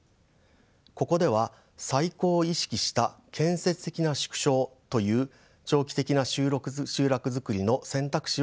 ここでは再興を意識した建設的な縮小という長期的な集落づくりの選択肢を紹介したいと思います。